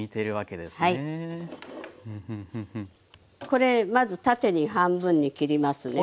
これまず縦に半分に切りますね。